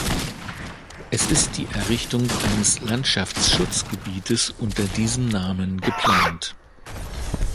Es ist die Errichtung eines Landschaftsschutzgebietes unter diesem Namen geplant.